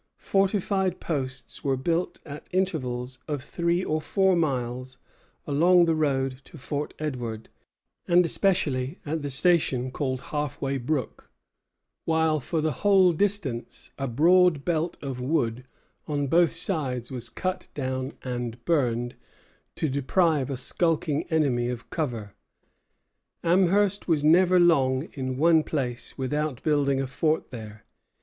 Fortified posts were built at intervals of three or four miles along the road to Fort Edward, and especially at the station called Half way Brook; while, for the whole distance, a broad belt of wood on both sides was cut down and burned, to deprive a skulking enemy of cover. Amherst was never long in one place without building a fort there.